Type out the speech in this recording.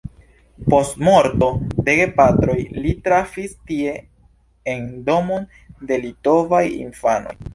Post morto de gepatroj li trafis tie en domon de litovaj infanoj.